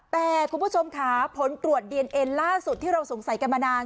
แต่คุณผู้ชมค่ะผลตรวจดีเอนเอ็นล่าสุดที่เราสงสัยกันมานาน